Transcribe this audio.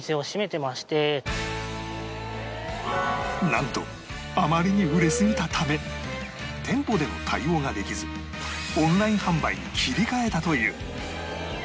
なんとあまりに売れすぎたため店舗での対応ができずオンライン販売に切り替えたという